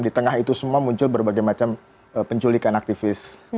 di tengah itu semua muncul berbagai macam penculikan aktivis